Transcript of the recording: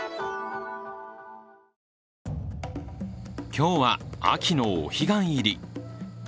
今日は、秋のお彼岸入り。